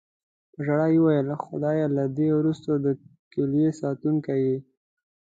په ژړا یې وویل: "خدایه، له دې وروسته د کیلي ساتونکی یې".